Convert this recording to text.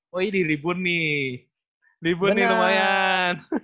woy diribun nih ribun nih lumayan